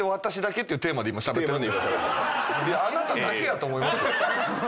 あなただけやと思います。